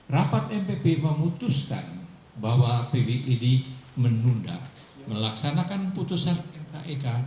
rapat mpp memutuskan bahwa pbid menunda melaksanakan putusan mkek